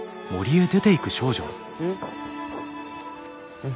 うん？